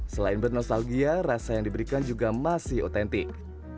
selain bernostalgia rasa yang diberikan juga masih otentik